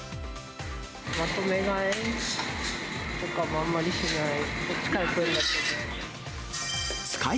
まとめ買いとかはあんまりしない。